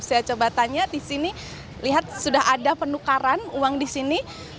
saya coba tanya di sini lihat sudah ada penukaran uang di sini